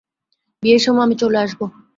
বিয়ের সময় আমি চলে আসব।